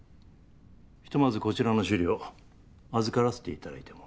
ひとまずこちらの資料預からせていただいても？